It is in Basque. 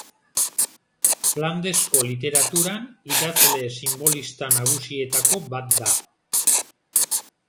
Flandesko literaturan idazle sinbolista nagusietako bat da.